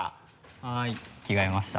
はい着替えました。